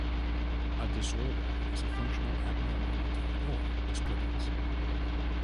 A disorder is a functional abnormality or disturbance.